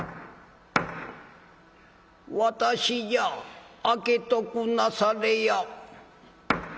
「私じゃ開けとくなされや」。